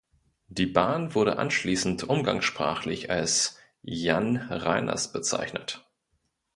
Die Bahn wurde anschließend umgangssprachlich als „Jan Reiners“ bezeichnet.